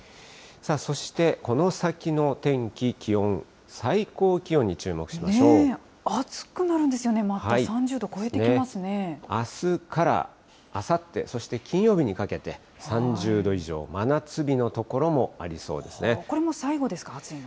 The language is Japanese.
そして、この先の天気、気温、最暑くなるんですよね、また、あすからあさって、そして金曜日にかけて３０度以上、真夏日の所もありそうですね。